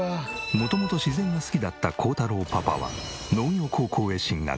元々自然が好きだった耕太郎パパは農業高校へ進学。